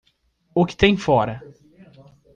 O que tem fora?